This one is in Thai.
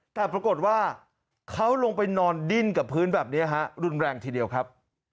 แต่ปรากฏว่าเขาลงไปนอนดิ้นกับพื้นแบบนี้ฮะรุนแรงทีเดียวครับ